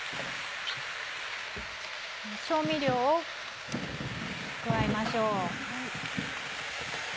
調味料を加えましょう。